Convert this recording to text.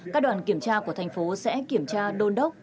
các đoàn kiểm tra của thành phố sẽ kiểm tra đôn đốc